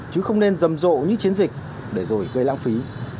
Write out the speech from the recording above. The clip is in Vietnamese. chứ không nên rầm rộ như chiến dịch để rồi gây lãng phí